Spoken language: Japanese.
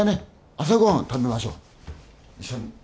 朝ご飯食べましょ一緒に。